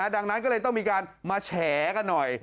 ดังนั้นก็เลยต้องมีการมาแฉกันหน่อย